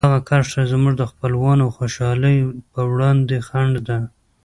دغه کرښه زموږ د خپلواکۍ او خوشحالۍ په وړاندې خنډ ده.